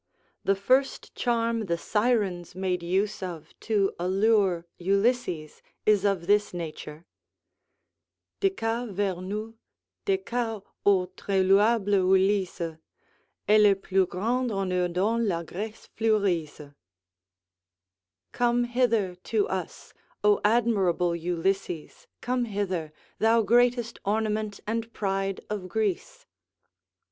The first charm the Syrens made use of to allure Ulysses is of this nature: "Deca vers nous, deca, o tres louable Ulysse, Et le plus grand honneur don't la Grece fleurisse." ["Come hither to us, O admirable Ulysses, come hither, thou greatest ornament and pride of Greece."